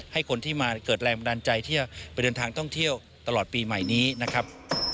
ให้คนที่มาเกิดแรงบันดาลใจที่จะไปเดินทางท่องเที่ยวตลอดปีใหม่นี้นะครับ